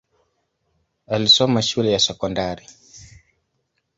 Alisoma shule ya sekondari.